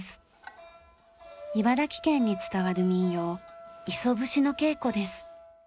茨城県に伝わる民謡磯節の稽古です。